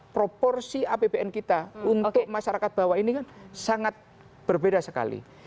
proporsi apbn kita untuk masyarakat bawah ini kan sangat berbeda sekali